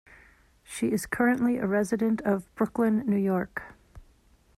She is currently a resident of Brooklyn, New York.